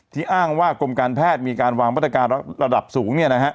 อ้างว่ากรมการแพทย์มีการวางมาตรการระดับสูง